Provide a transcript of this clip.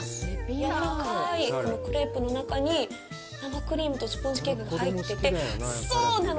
やわらかい、このクレープの中に生クリームとスポンジケーキが入っててそうなの！